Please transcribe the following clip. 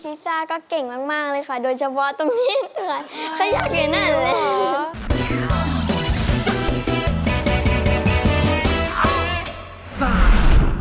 ซีซ่าก็เก่งมากเลยค่ะโดยเฉพาะตรงนี้ด้วยเขาอยากเห็นนั่นเลย